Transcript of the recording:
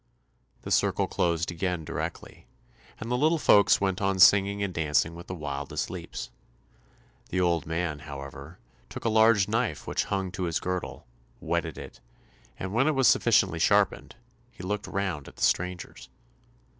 The circle closed again directly, and the little folks went on singing and dancing with the wildest leaps. The old man, however, took a large knife which hung to his girdle, whetted it, and when it was sufficiently sharpened, he looked round at the strangers.